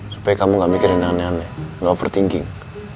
supaya kamu gak mikirin aneh aneh gak overthinking